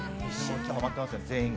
ハマってますよ、全員が。